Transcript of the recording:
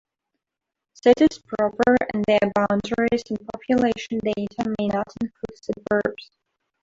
Cities proper and their boundaries and population data may not include suburbs.